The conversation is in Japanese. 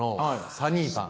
サニーパン？